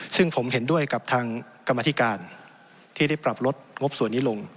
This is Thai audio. ซึ่งผมเห็นด้วยกับทางกรรมธิการที่ได้ปรับลดงบส่วนนี้ลง